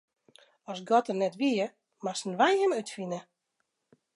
As God der net wie, moasten wy Him útfine.